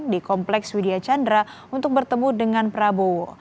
di kompleks widya chandra untuk bertemu dengan prabowo